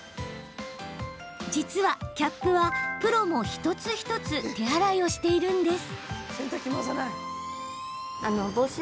実は、キャップはプロも一つ一つ手洗いをしているんです。